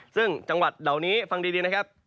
ซึ่งจังหวัดเหล่านี้ฟังดีนะครับ